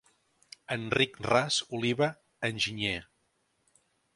Enric Ras Oliva enginyer